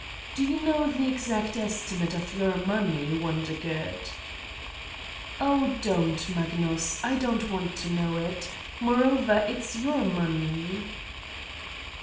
Do you know the exact estimate of your money, Wondergood?" 165 Satan's Diary "Oh, don't, Magnus. I don't want to know Moreover, it's your money."